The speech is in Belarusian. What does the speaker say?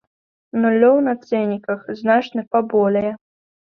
Нулёў на цэнніках значна паболее.